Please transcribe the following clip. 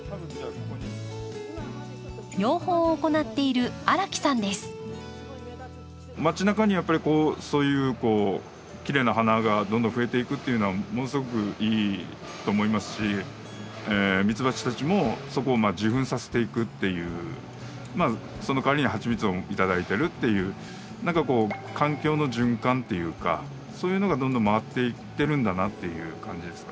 養蜂を行っているまち中にやっぱりこうそういうきれいな花がどんどん増えていくっていうのはものすごくいいと思いますしミツバチたちもそこを受粉させていくっていうまあそのかわりにハチミツを頂いてるっていう何かこう環境の循環っていうかそういうのがどんどん回っていってるんだなっていう感じですかね。